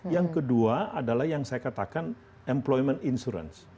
yang kedua adalah yang saya katakan employment insurance